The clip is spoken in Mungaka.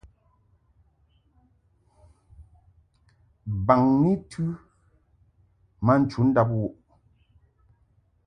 Baŋni tɨ ma nchundab wuʼ.